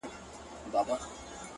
چي تا په گلابي سترگو پرهار پکي جوړ کړ،